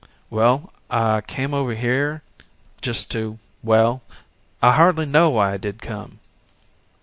"Well, I came over here just to well, I hardly know why I did come."